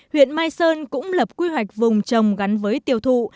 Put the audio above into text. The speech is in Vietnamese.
huyện mai sơn cũng lập quy hoạch vùng trồng gắn với tiêu thụ